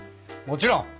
もちろん！